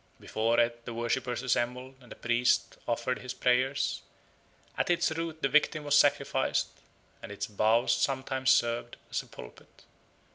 Before it the worshippers assembled and the priest offered his prayers, at its roots the victim was sacrificed, and its boughs sometimes served as a pulpit.